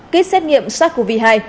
kết xét nghiệm sars cov hai